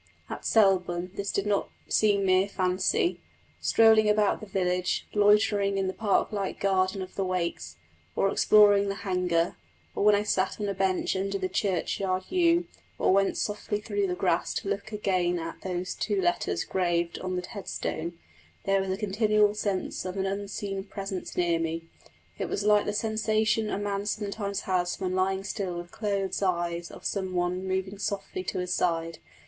At Selborne this did not seem mere fantasy. Strolling about the village, loitering in the park like garden of the Wakes, or exploring the Hanger; or when I sat on the bench under the churchyard yew, or went softly through the grass to look again at those two letters graved on the headstone, there was a continual sense of an unseen presence near me. It was like the sensation a man sometimes has when lying still with closed eyes of some one moving softly to his side.